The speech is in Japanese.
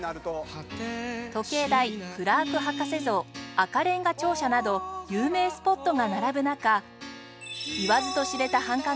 時計台クラーク博士像赤れんが庁舎など有名スポットが並ぶ中言わずと知れた繁華街